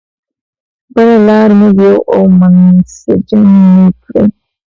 بله لار موږ یو او منسجم نه کړي.